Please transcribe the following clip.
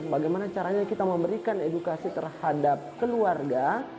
bagaimana caranya kita memberikan edukasi terhadap keluarga